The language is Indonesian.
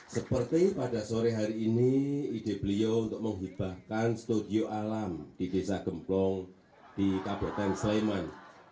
seperti pada sore hari ini ide beliau untuk menghibahkan studio alam di desa gemplong di kabupaten sleman